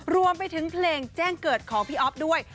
รวมไปถึงเพลงแจ้งเกิดของพี่อ๊อฟด้วย